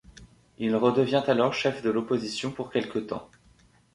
Il redevient alors chef de l'opposition pour quelque temps.